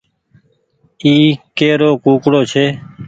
اي ڪي رو ڪوڪڙو ڇي۔